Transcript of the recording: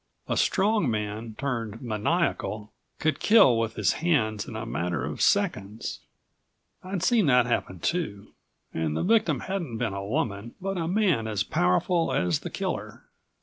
A strong man, turned maniacal, could kill with his hands in a matter of seconds. I'd seen that happen too, and the victim hadn't been a woman, but a man as powerful as the killer.